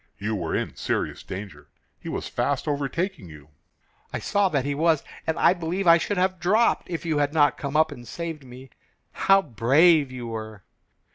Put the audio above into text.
"You were in serious danger. He was fast overtaking you." "I saw that he was, and I believe I should have dropped if you had not come up and saved me. How brave you were!"